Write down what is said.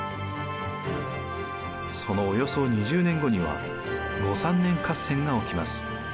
そのおよそ２０年後には後三年合戦が起きます。